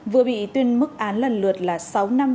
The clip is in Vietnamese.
vừa bị tuyên mức án lần lượt là sáu năm